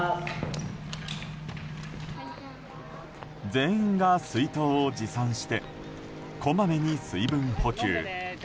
全員が水筒を持参してこまめに水分補給。